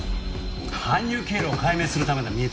搬入経路を解明するためだ。